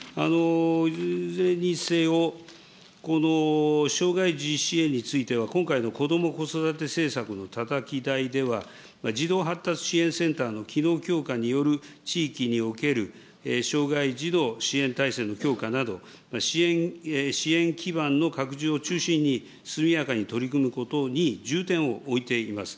いずれにせよ、この障害児支援については、今回の子ども・子育て政策のたたき台では、児童発達支援センターの機能強化による地域における障害児の支援体制の強化など、支援基盤の拡充を中心に、速やかに取り組むことに重点を置いています。